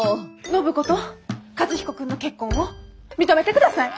暢子と和彦君の結婚を認めてください！